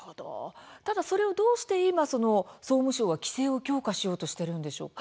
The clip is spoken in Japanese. ただそれをどうして今総務省は規制を強化しようとしているんでしょうか。